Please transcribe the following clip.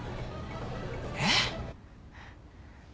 えっ？